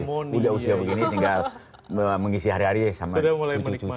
sudah usia begini tinggal mengisi hari hari sama cucu cucu